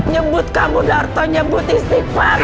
nyebut kamu darto nyebut istighfar